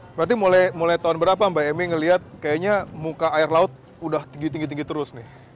berarti mulai tahun berapa mbak emi ngeliat kayaknya muka air laut udah tinggi tinggi terus nih